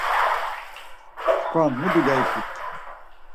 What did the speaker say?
Tkvan mu dulya ikipt?